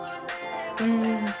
うん。